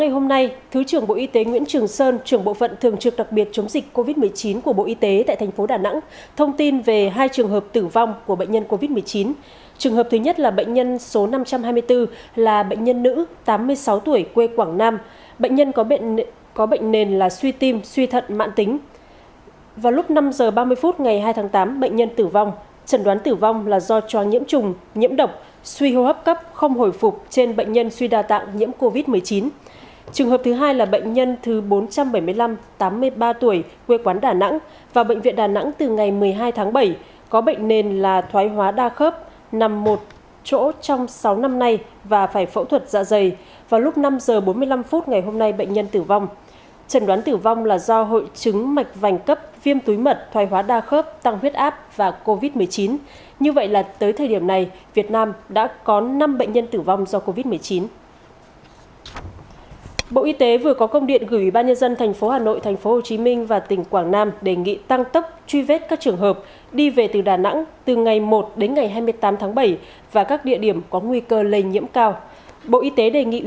hãy đăng ký kênh để ủng hộ kênh của chúng mình nhé